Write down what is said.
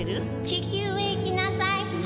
「地球へ行きなさい」